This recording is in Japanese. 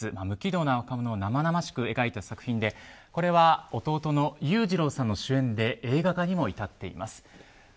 無軌道な若者を生々しく描いた作品でこれは弟の裕次郎さんの主演で映画化にも至っています。